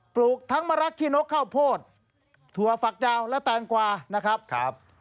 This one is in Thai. ลูกทั้งมะรักขี้นกข้าวโพดถั่วฝักยาวและแตงกวานะครับ